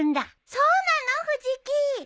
そうなの藤木？